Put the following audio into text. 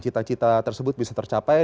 cita cita tersebut bisa tercapai